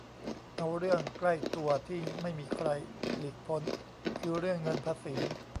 เอาเรื่องใกล้ตัว ที่ไม่มีใครหลีกพ้น คือเรื่องเงินภาษี